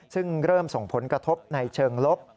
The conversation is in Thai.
ซึ่งเริ่มส่งผลกระทบในเชิงลบ